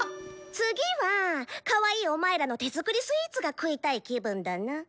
次はかわいいお前らの手作りスイーツが食いたい気分だな。